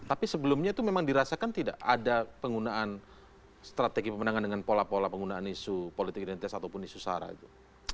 tapi sebelumnya itu memang dirasakan tidak ada penggunaan strategi pemenangan dengan pola pola penggunaan isu politik identitas ataupun isu sara itu